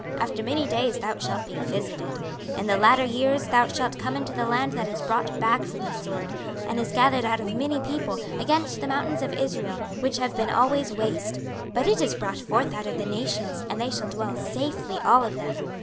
26:038:008 After many days thou shalt be visited: in the latter years thou shalt come into the land that is brought back from the sword, and is gathered out of many people, against the mountains of Israel, which have been always waste: but it is brought forth out of the nations, and they shall dwell safely all of them.